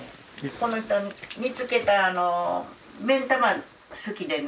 この人煮つけた目ん玉好きでね